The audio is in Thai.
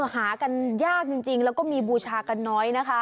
หากันยากจริงแล้วก็มีบูชากันน้อยนะคะ